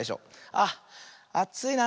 あっあついな。